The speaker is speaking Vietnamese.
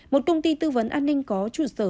một công ty tư vấn an ninh có trụ sở